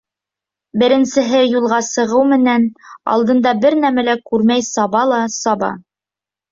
Беренсеһе юлға сығыу менән, алдында бер нәмә лә күрмәй саба ла саба.